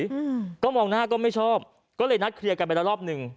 อืมก็มองหน้าก็ไม่ชอบก็เลยนัดเคลียร์กันไปแล้วรอบหนึ่ง